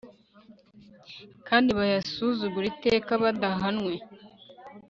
kandi bayasuzugure iteka badahanwe